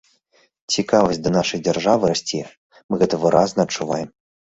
Цікавасць да нашай дзяржавы расце, мы гэта выразна адчуваем.